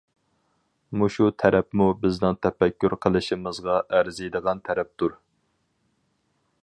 مۇشۇ تەرەپمۇ بىزنىڭ تەپەككۇر قىلىشىمىزغا ئەرزىيدىغان تەرەپتۇر.